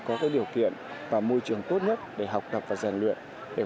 có điều kiện và môi trường tốt nhất để học tập và rèn luyện